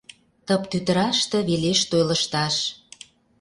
Тып тӱтыраште велеш той лышташ.